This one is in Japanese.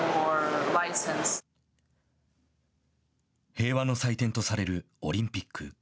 平和の祭典とされるオリンピック。